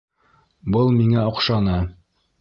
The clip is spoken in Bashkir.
Был миңә оҡшаны.